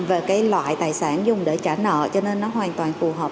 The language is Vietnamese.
về cái loại tài sản dùng để trả nợ cho nên nó hoàn toàn phù hợp